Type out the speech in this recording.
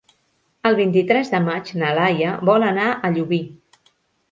El vint-i-tres de maig na Laia vol anar a Llubí.